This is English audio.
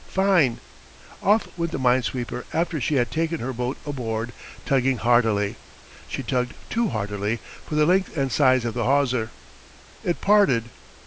Fine. Off went the mine sweeper after she had taken her boat aboard, tugging heartily. She tugged too heartily for the length and size of the hawser. It parted.